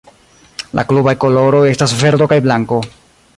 La klubaj koloroj estas verdo kaj blanko.